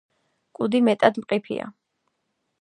კუდი მეტად მყიფეა.